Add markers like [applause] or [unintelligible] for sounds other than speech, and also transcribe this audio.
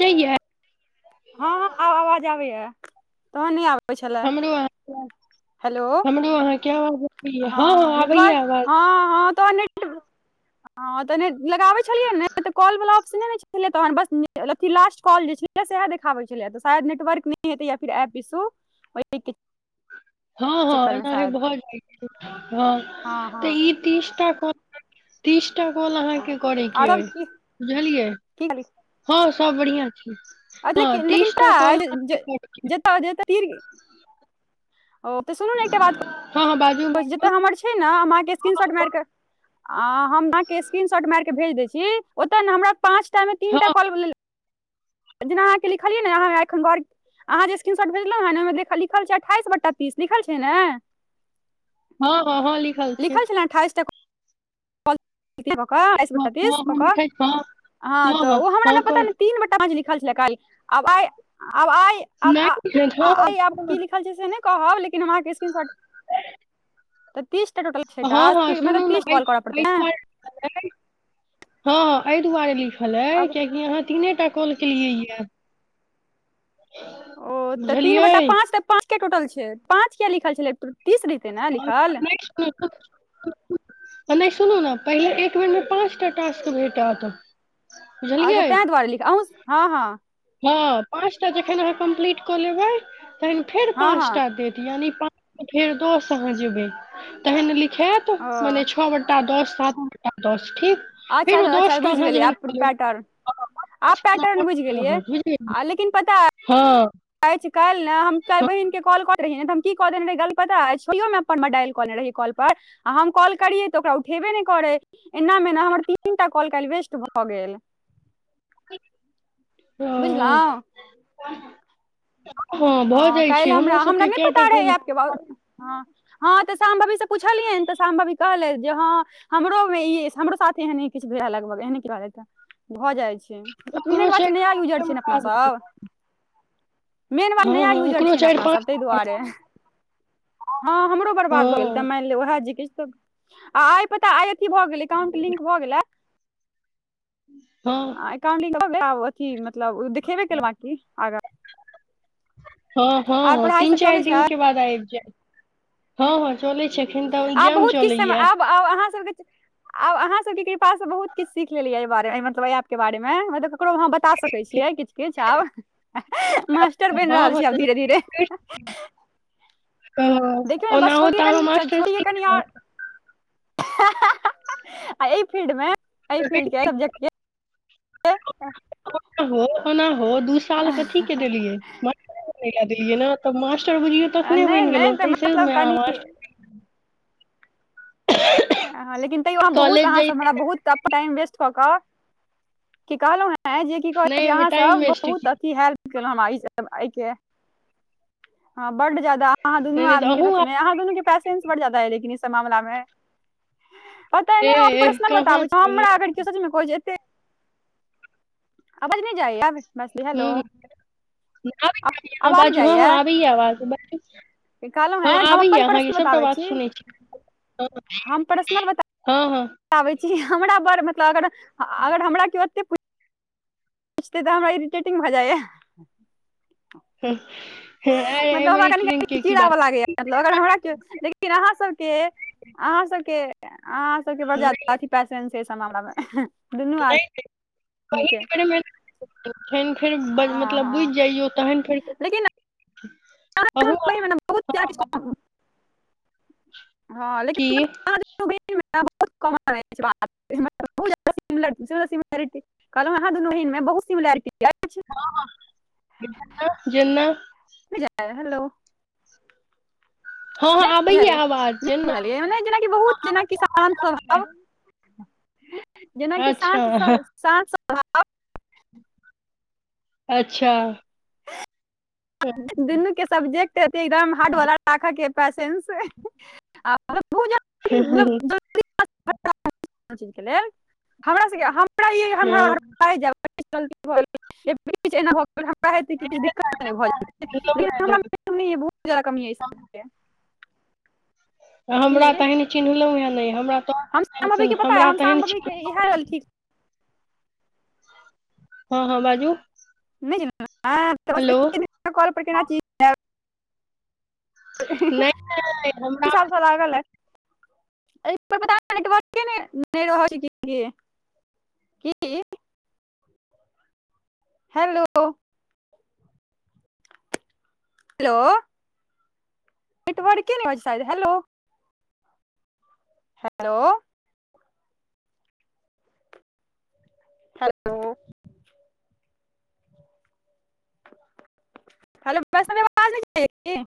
च यै हँ हँ आब आवाज आबैए तहन नहि आबै छलै हमरो अहाँ हेलो हमरो अहाँके आवाज हँ अबैया हँ आबैय नेटवर्क आवाज हँ हॅं नेट ह तऽ लगाबै छलियै ने कॉल वला ऑप्शने नै छले तहन बस अथी लास्ट कॉल जे छलै सेहय देख आबय छल तऽ शायद नेटवर्क नै हेतय या फेर एप इसू ओय के हँ हँ एनाहे भऽ जाइ छै हँ तऽ ई तीसटा तीस टा कल हँ अहाँके करैके आओर अ सब की बुझलियै की हँ सब बढ़िआँ छै अजय क हँ लेकिन लेकिन तीसटा कॉल ताइर जे अहाँके करके जेत्तअ जेत्तअ गीर ओ तऽ सुनू ने एकटा बात हँ हँ बाजू नऽ जेतअ हमर छै ना हम अहाॅं के स्क्रीन शॉट मारिकऽ आ हम अहाॅं के स्क्रीन शॉट मारि के भेज दैत छी ओतऽ ने हमरा पाँचटा मे तीनटा हँ कॉल बोलै जेना अहाँके लिखलियै ने अहाँ हैये एखन गौड़ अहाँ जे स्क्रीनशॉट भेजलौ हें ने ओहिमे लिखल छै अट्ठाइस बट्टा तीस लिखल छै ने हँ हँ हँ लिखल छै अट्ठाइस तक कऽ कऽ अट्ठाइस बट्टा हँ तीस कऽ हम कऽ उठै हँ हँ तऽ ओ हमरा मे पता नहि तीन बट् टा मे जे लिखल छलैये काल्हि आब आइ आब आइ आब नहि हँ आइ आब की लिखल ल छै से नै कहब लेकिन हम अहाँ के स्क्रीनशॉट तऽ तीस टा टोटल छै हँ टास्क हँ ती सुनू मतलब ने तीस एहि सोल्भ करऽ एहि पड़तै नै दुआरे लिखल हँ एहि दुआरे लिखल अय आब कियाकि अहाँ तीनेटा कॉल केलियै ये ओ तऽ तीन बट्टा बुझलियै पाँच तऽ पाँच किये टोटल छै पाँच किया लिखल छेलै टो [inaudible] नहि सुनू नऽ पहिले एक बेर मे पाँचटा टास्क भेटत अच्छा बुझलियै तें दुआरे लिख अहुंस हँ हँ हँ पाँचटा जखैन अहाँ कम्प्लीट कऽ लेबै तहैन फेर हँ हँ पाँचटा देत यानि पां तऽ फेर दस अहाँ जेबै तहैन लिखायत ओ मने छौ बट्टा दस सात बट्टा दस ठीक अच्छा फेर ओ तऽ अच्छा दस टा बुझि अहाँ गेलियै जहन आब कऽ पैटर्न लेबै आब पैटर्न बुझि गेलियै हूँ आ लेकिन पता हँ अछि काल्हि ने हम काल्हि ने हँ बहिनके कॉल कर रहियै तऽ हम की कऽ देने रहियै गलती पता अछि कियो ने उपर मे डायल कऽ लेने रहीयै कॉल पर आ हम कॉल करियै तऽ ओकरा उठेबे नहि करै एनामेना हमर तीन टा कॉल काल्हि वेस्ट भऽ गेल [inaudible] बुझलौं हँ भऽ जाइ छै हमरो सबके कय टा कॉल हॅं तऽ साम्भवी सँ पुछलियनि तऽ साम्भवी कहलथि जे हँ हमरो मे ई अछि हमरो साथे एहने किछ होइये लगभग एहने के बारे एकटा [unintelligible] भऽ जाइ छै ओकरो मेन बात छै नया पाँच यूजर टा मे छियै ने अपना बात सब मेन बात हँ नया यूजर ओकरो छियै ने चारि अपना पाँच सब ताहि टा परब दुआरे हँ हमरो बर्बाद भऽ गेल तऽ हँ मानि ले उएह जे किछु तऽ आ आइ पता आइ अथी भऽ गेलै एकाउंट लिंक भऽ गेलै हँ अथी मतलब देखेबे केलै बांकी आगां हँ आर हँ पढ़ाइ तीन सब चारि चलै छै दिन के बाद आबि जाय हँ हँ चलैत छै एखन तऽ इग्जाम चलैये तऽ आब अहाँ सबके तऽ आब अहाँ सबके के कृपा सँ बहुत किछु सीख लेलियै एहि बारे मे मतलब एहि एप के बारे मे ककरो अहाँ बता सकै छियै किछु किछु आब मास्टर बनि हँ रहल हँ छियै आब तऽ धीरे धीरे करि सकै देखियौ हो। नऽ बस ओनाहो छोड़ियै तऽ अहाँ कनी मास्टर्स छोड़ियै की कनी केलहुँ? आओर एहि फील्ड मे एहि फील्ड के सब्जेक्ट के के ओनाहु दू साल कथी के देलियै मास्टरे बनैले देलियै नऽ तऽ मास टर बुझियौ तखने नहि बनि गेलौं नहि तऽ तहि सभ मतलब ले कनि आब [unintelligible] लेकिन तैयो अहाँ बहुत कॉलेज अहाँ सँ जैते हमरा बहुत टाइम इनवेस्ट कऽ कऽ की कहलहु हें जे की नहि कहे ओहिमे अहाँ टाइम सब वेस्ट बहुत की अथी हेल्प [unintelligible] अहाँ दुनू नहि नहि तऽ आदमी के अहूँ आब सचमे अहाँ दुनू के पैसेंस बड ज्यादा है लेकिन ई सब मामला मे पता नहि हम एह एह प्रश्नल कहाँ बताबै छी नहि छी आबाज नहि जाइयै हेलो [unintelligible] आबैयै आबैत ह आवाज नहि बाजू हँ हँ जाइया आबै यै बाजु कहलहुँ हँ हेँ हम अपन आबैया अहाँके पर्सनल सभटा बताबै बात सुनै छी हँ हँ आबै छी हमरा बर मतलब अगर अगर हमरा केओ ओते पुछते तऽ हमरा इरिटेटिंग भए जाइयै हँ मतलब हमरा कनी कनी कीड़ा वला लागैयै मतलब अगर हमरा केओ लेकिन अहाँसभके अहाँसभके अहाँ सभके बड़ ज्यादा अथी पैसन यै एहि सभ मामलामे नहि गे कहि के बेर फेन फेर हँ मतलब बुझि हँ जइयो तहन फेर लेकिन बहुत किछ [unintelligible] कम [unintelligible] की कहलहुँ अहाँ दुनू बहिन मे बहुत सिमिलरिटी अछि जेना हेलो [unintelligible] हँ हँ ने आबैये आवाज जेना जेनाकि बहुत जेना किसान सब हब [unintelligible] जेनाकि साँझ अच्छा साँझ सब [unintelligible] अच्छा दुनू के सब्जेक्ट हतै एकदम हार्ड वाला राखय के पैंसेंस [unintelligible] चीजके लेल हमरा सबके हमरा ई [unintelligible] गेल हमरा हेछ दिक्कत [unintelligible] लेकिन हम बहुत ज्यादा कमी [unintelligible] हमरा कि तेहन चिन्हलहु हे नहि हमरा तोह हमरा तेहन चिन्हल [unintelligible] रहलख [unintelligible] हँ हँ बाजू हेलो [unintelligible] नहि नहि हमरा [unintelligible] [unintelligible] कि [inaudible] हेलो हेलो नेटवर्क नहि रहय छै शयद हेलो हेलो हेलो हेलो बस आवाज नहि जाइए कि [unintelligible]